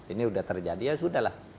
ini sudah terjadi ya sudah lah